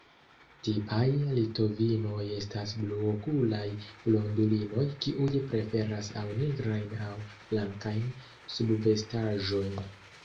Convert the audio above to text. Tipaj litovinoj estas bluokulaj blondulinoj, kiuj preferas aŭ nigrajn aŭ blankajn subvestaĵojn.